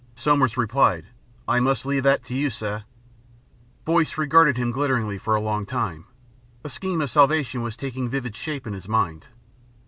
Somers replied, "I must leave that to you, sir." Boyce regarded him glitteringly for a long time. A scheme of salvation was taking vivid shape in his mind....